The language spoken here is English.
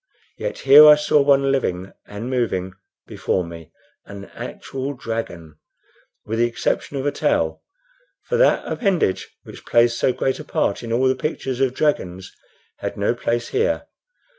Yet here I saw one living and moving before me an actual dragon, with the exception of a tail; for that appendage, which plays so great a part in all the pictures of dragons, had no place here.